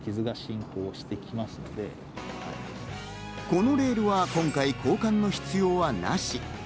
このレールは今回、交換の必要はなし。